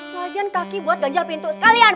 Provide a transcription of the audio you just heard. buah jian kaki buat ganjal pintu sekalian